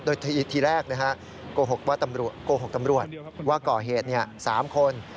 โดยทีแรกโกหกตำรวจว่าก่อเหตุ๓คน